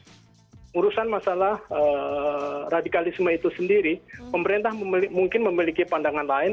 urusan masalah radikalisme itu sendiri pemerintah mungkin memiliki pandangan lain